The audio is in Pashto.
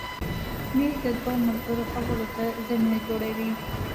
مېز د دوو ملګرو خبرو ته زمینه جوړوي.